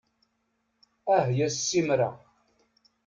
Ahya ssimra!